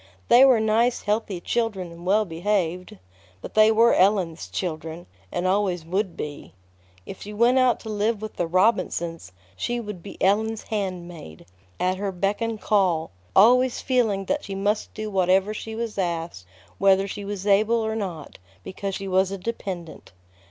They were nice, healthy children and well behaved; but they were Ellen's children, and always would be. If she went out to live with the Robinsons, she would be Ellen's handmaid, at her beck and call, always feeling that she must do whatever she was asked, whether she was able or not, because she was a dependent.